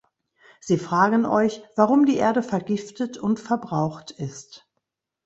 Sie fragen euch, warum die Erde vergiftet und verbraucht ist.